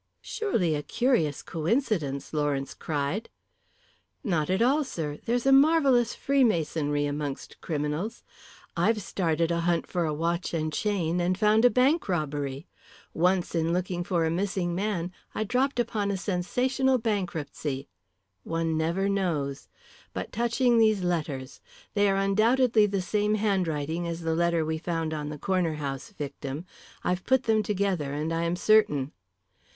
"Surely, a curious coincidence!" Lawrence cried. "Not at all, sir. There's a marvellous freemasonry amongst criminals. I've started a hunt for a watch and chain, and found a bank robbery. Once in looking for a missing man I dropped upon a sensational bankruptcy. One never knows. But touching these letters. They are undoubtedly the same handwriting as the letter we found on the Corner House victim. I've put them together, and I am certain."